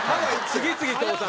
次々倒産？